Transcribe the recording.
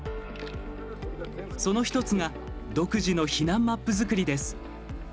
その１つが独自の避難マップ作りです。